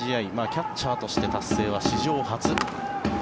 キャッチャーとして達成は史上初。